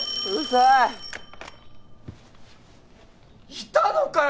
いたのかよ！